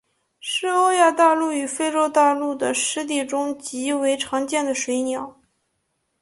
是欧亚大陆与非洲大陆的湿地中极为常见的水鸟。